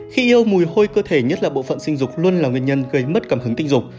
khi yêu mùi hôi cơ thể nhất là bộ phận sinh dục luôn là nguyên nhân gây mất cảm hứng tình dục